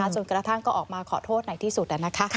จนกระทั่งก็ออกมาขอโทษในที่สุด